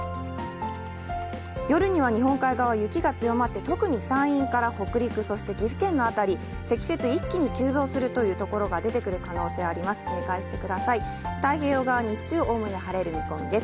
夜には日本海側、雪が強まって、特に山陰から北陸、そして岐阜県の辺り、積雪一気に急増するという所が出てくる可能性あります。